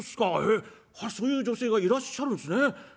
えっそういう女性がいらっしゃるんっすね。